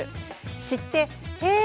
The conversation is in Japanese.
知って、へえ！